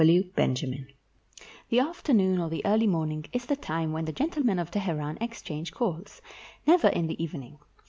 G. W. BENJAMIN The afternoon or the early morning is the time when the gentlemen of Teheran exchange calls; never in the evening.